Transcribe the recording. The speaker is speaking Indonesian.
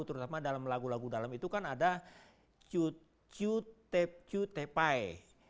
terutama dalam lagu lagu dalam itu kan ada cu te pai